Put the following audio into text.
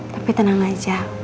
tapi tenang aja